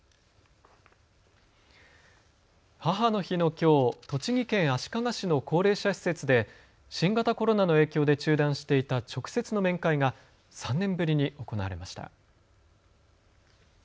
母の日のきょう栃木県足利市の高齢者施設で新型コロナの影響で中断していた直接の面会が３年ぶりに行われました。